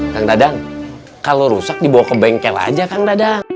kang dadang kalau rusak dibawa ke bengkel aja kang dadang